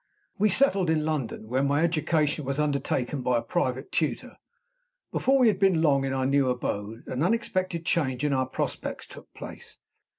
We settled in London, where my education was undertaken by a private tutor. Before we had been long in our new abode, an unexpected change in our prospects took place.